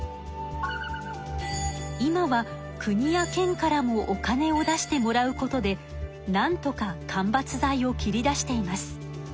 今は国や県からもお金を出してもらうことでなんとか間伐材を切り出しています。